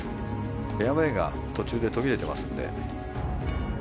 フェアウェーが途中で途切れていますので。